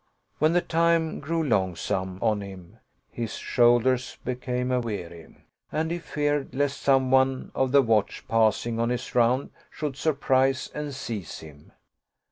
When the time grew longsome on him, his shoulders became a weary and he fearedi lest some one of the watch passing on his round should sur prise and seize him.